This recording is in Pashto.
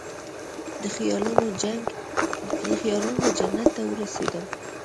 د خیالونوجنت ته ورسیدم